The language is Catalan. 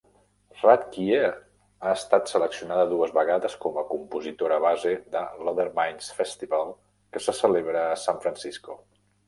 Ratkje ha estat seleccionada dues vegades com a compositora base de l'Other Minds Festival, que se celebra a San Francisco.